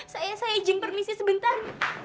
saya izin permisi sebentar